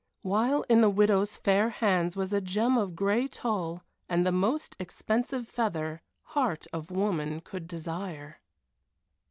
While in the widow's fair hands was a gem of gray tulle and the most expensive feather heart of woman could desire.